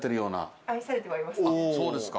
そうですか。